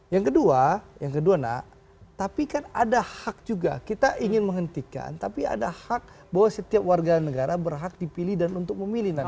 yang kedua yang kedua nak tapi kan ada hak juga kita ingin menghentikan tapi ada hak bahwa setiap warga negara berhak dipilih dan untuk memilih nakal